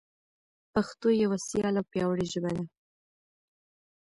پښتو یوه سیاله او پیاوړي ژبه ده.